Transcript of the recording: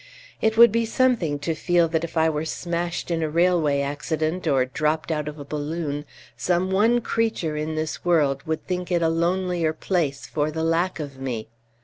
"It would be something to feel that if I were smashed in a railway accident, or dropped out of a balloon, some one creature in this world would think it a lonelier place for the lack of me.